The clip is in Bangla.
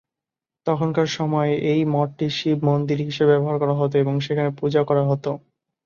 তখনকার সময়ে এই মঠটি শিব মন্দির হিসেবে ব্যবহার করা হত এবং সেখানে পূজা করা হত।